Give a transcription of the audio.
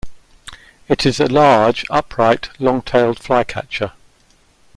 It is a large upright long-tailed flycatcher.